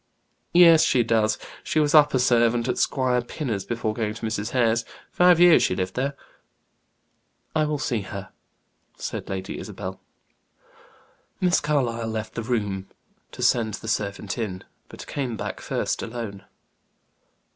"Yes she does. She was upper servant at Squire Pinner's before going to Mrs. Hare's. Five years she lived there." "I will see her," said Lady Isabel. Miss Carlyle left the room to send the servant in, but came back first alone.